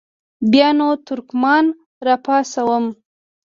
بیا نو ترکمنان را پاڅوم.